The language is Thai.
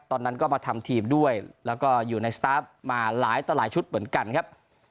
ตอนนั้นก็มาทำทีมด้วยแล้วก็อยู่ในสตาฟมาหลายต่อหลายชุดเหมือนกันครับ